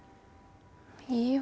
いいよ